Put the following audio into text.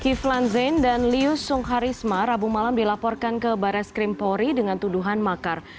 kiflan zain dan liu sungharisma rabu malam dilaporkan ke barres krim pori dengan tuduhan makar